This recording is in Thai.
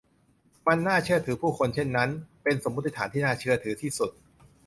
มันน่าเชื่อถือผู้คนเช่นนั้น เป็นสมมติฐานที่น่าเชื่อที่สุด